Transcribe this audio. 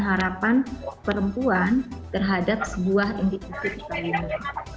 harapan perempuan terhadap sebuah institusi pernikahan